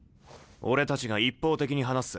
俺たちが一方的に話す。